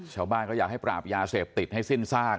ชาวบ้านก็อยากให้ปราบยาเสพติดให้สิ้นซาก